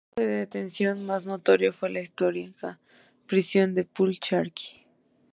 Su centro de detención más notorio fue la histórica prisión de "Pul-i-Charkhi".